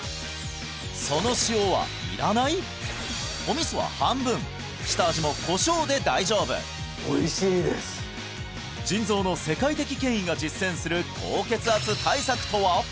そのお味噌は半分下味もコショウで大丈夫腎臓の世界的権威が実践する高血圧対策とは？